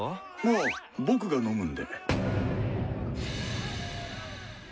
あ僕が飲むんで。